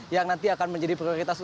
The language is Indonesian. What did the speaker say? yang nanti akan menjadi prioritas